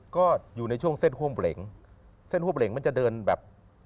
ก็อยู่ในช่วงเส้นห้วบเหล็งเส้นห้วบเหล็งมันจะเดินแบบ๕๗๕๘๖๐